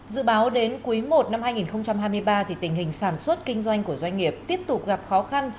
dự báo đến cuối một năm hai nghìn hai mươi ba thì tình hình sản xuất kinh doanh của doanh nghiệp tiếp tục gặp khó khăn